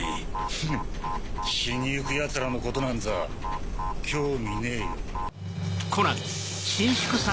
フン死にゆく奴らのことなんざ興味ねえよ。